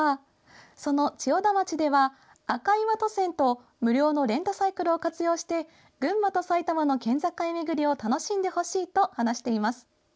その千代田町では、赤岩渡船と無料のレンタサイクルを活用して群馬と埼玉の県境巡りを楽しんでほしいと話しています。